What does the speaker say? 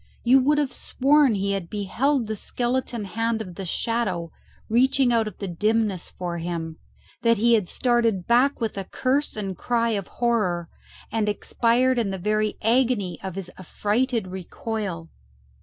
You would have sworn he had beheld the skeleton hand of the Shadow reaching out of the dimness for him; that he had started back with a curse and cry of horror, and expired in the very agony of his affrighted recoil.